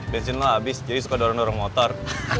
bensin lo abis jadi suka dorong dorong motor